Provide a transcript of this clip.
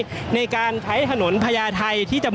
ก็น่าจะมีการเปิดทางให้รถพยาบาลเคลื่อนต่อไปนะครับ